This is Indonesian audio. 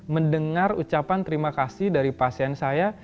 mendengar ucapan terima kasih dari pasien saya